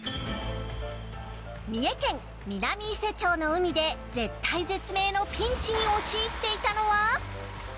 三重県南伊勢町の海で絶体絶命のピンチに陥っていたのは。